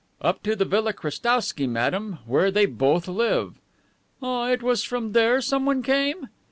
"Up to the Villa Krestowsky, madame where they both live." "Ah, it was from there someone came?"